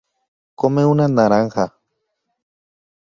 comen una naranja